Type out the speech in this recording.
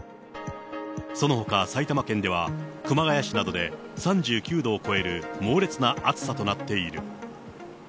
そのほか埼玉県では熊谷市などで３９度を超える猛烈な暑さとなっている。